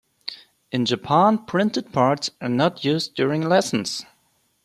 In Japan, printed parts are not used during lessons.